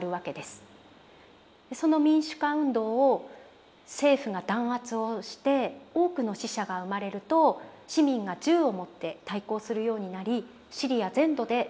その民主化運動を政府が弾圧をして多くの死者が生まれると市民が銃を持って対抗するようになりシリア全土で武力衝突が起きていきます。